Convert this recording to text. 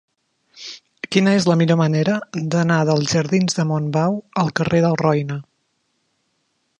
Quina és la millor manera d'anar dels jardins de Montbau al carrer del Roine?